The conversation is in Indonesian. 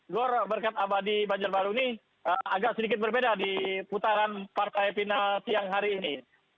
gor berkat abadi banjarbaru ini agak sedikit berbeda di putaran partai final siang hari ini